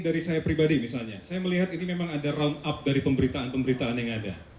dari saya pribadi misalnya saya melihat ini memang ada round up dari pemberitaan pemberitaan yang ada